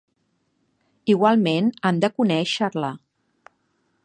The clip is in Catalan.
Igualment, han de conèixer-la.